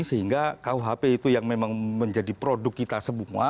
sehingga kuhp itu yang memang menjadi produk kita semua